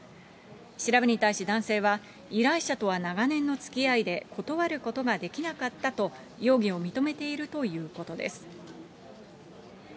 調べに対し男性は、依頼者とは長年のつきあいで、断ることができなかったと容疑を認めているということです。